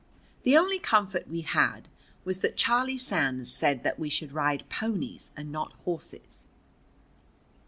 The only comfort we had was that Charlie Sands said that we should ride ponies, and not horses.